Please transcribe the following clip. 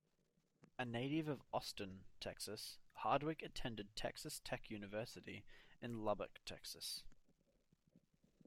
A native of Austin, Texas, Hardwick attended Texas Tech University in Lubbock, Texas.